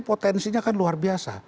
potensinya kan luar biasa